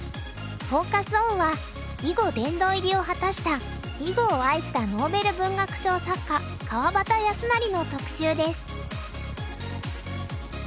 フォーカス・オンは囲碁殿堂入りを果たした「囲碁を愛したノーベル文学賞作家川端康成」の特集です。